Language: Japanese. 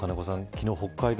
昨日、北海道